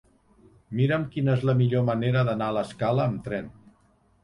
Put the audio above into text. Mira'm quina és la millor manera d'anar a l'Escala amb tren.